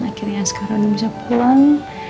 akhirnya sekarang bisa pulang